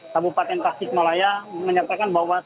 kabupaten tasik malaya menyatakan bahwa